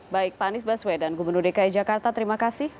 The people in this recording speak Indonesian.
baik pak anies baswedan gubernur dki jakarta terima kasih